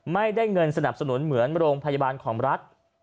ไม่ได้เงินสนับสนุนเหมือนโรงพยาบาลของรัฐ